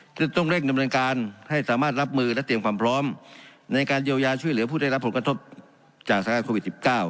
จะต้องเร่งดำเนินการให้สามารถรับมือและเตรียมความพร้อมในการเยียวยาช่วยเหลือผู้ได้รับผลกระทบจากสถานการณ์โควิด๑๙